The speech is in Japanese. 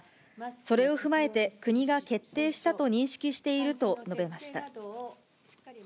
それを踏まえて国が決定したと認識していると述べました。